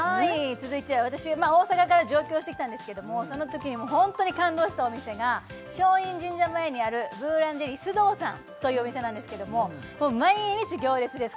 続いては私大阪から上京してきたんですけどもそのときにホントに感動したお店が松陰神社前にあるブーランジェリースドウさんというお店なんですけども毎日行列です